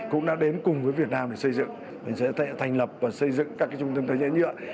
cũng đã đến cùng với việt nam để xây dựng thành lập và xây dựng các cái trung tâm tài chính nhựa